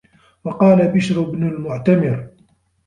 وَقَالَ بِشْرُ بْنُ الْمُعْتَمِرِ